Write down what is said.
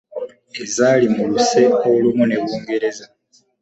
Ezaali mu luse olumu ne Bungereza.